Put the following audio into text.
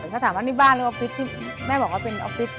ถ้าถามว่านี่บ้านหรือออฟฟิศที่แม่บอกว่าเป็นออฟฟิศ